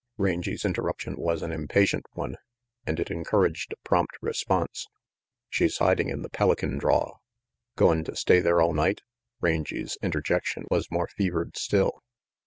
Rangy's interruption was an impatient one, and it encouraged a prompt response. "She's hiding in the Pelican draw " "Goin' to stay there all night?" Rangy's inter jection was more fevered still.